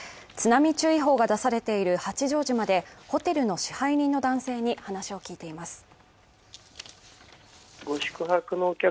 津波注意報が出されている八丈島でホテルの支配人の男性に話を聞いています。